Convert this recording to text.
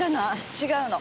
違うの。